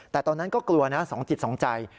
แต่ตอนนั้นก็กลัวนะ๒จิตสองใจ